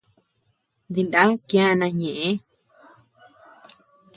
Dindá kiana ñeʼe.